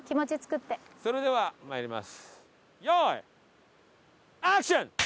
それではまいります。